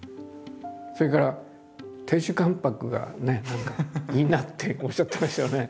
それから亭主関白がいいなっておっしゃってましたよね。